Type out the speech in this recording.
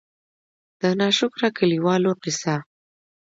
د نا شکره کلي والو قيصه :